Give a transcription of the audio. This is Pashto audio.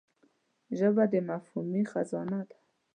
ژبه د مفاهمې خزانه ده